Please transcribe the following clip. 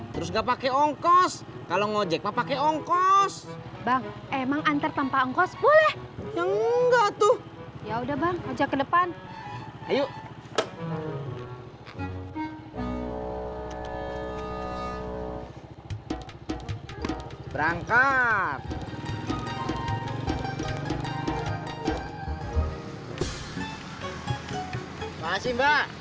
terima kasih mbak